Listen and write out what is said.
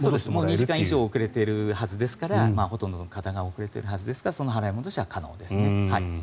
２時間以上遅れているはずですからほとんどの方が遅れているはずですからその払い戻しは可能です。